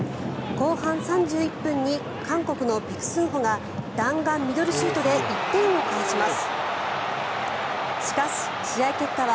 後半３１分に韓国のペク・スンホが弾丸ミドルシュートで１点を返します。